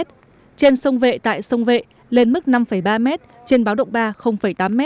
trên sông vệ tại sông vệ lên mức năm ba m trên báo động ba tám m